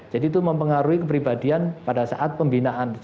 jadi itu mempengaruhi kepribadian pada saat pembinaan seperti itu